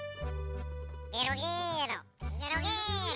・ゲロゲロゲロゲロ。